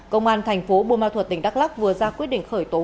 công an tp bùa ma thuật tỉnh đắk lắc vừa ra quyết định khởi tố